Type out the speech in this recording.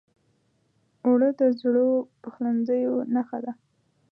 اوړه د زړو پخلنځیو نښه ده